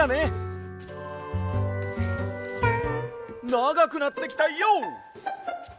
ながくなってきたＹＯ！